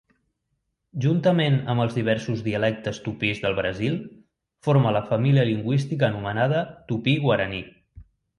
Juntament amb els diversos dialectes tupís del Brasil, forma la família lingüística anomenada tupí-guaraní.